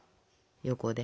横で。